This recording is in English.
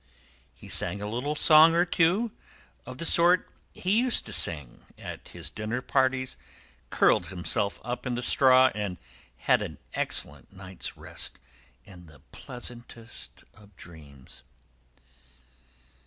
He sang a little song or two, of the sort he used to sing at his dinner parties, curled himself up in the straw, and had an excellent night's rest and the pleasantest of dreams.